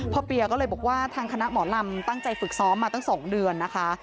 เปียก็เลยบอกว่าทางคณะหมอลำตั้งใจฝึกซ้อมมาตั้ง๒เดือนนะคะ